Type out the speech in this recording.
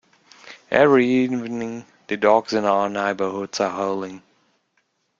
Every evening, the dogs in our neighbourhood are howling.